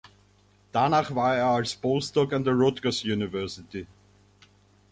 Danach war er als Postdoc an der Rutgers University.